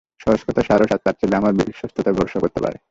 সহজ কথায়, সারস আর তার ছেলে আমার বিশ্বস্ততায় ভরসা করতে পারে।